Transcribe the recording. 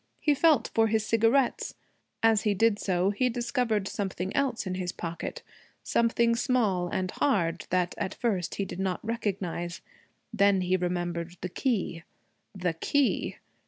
He felt for his cigarettes. As he did so he discovered something else in his pocket, something small and hard that at first he did not recognize. Then he remembered the key the key.